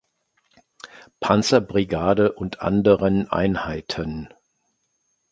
Panzerbrigade und anderen Einheiten.